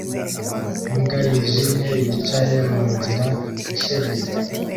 Imbwa yijimye yicaye munzira ya shelegi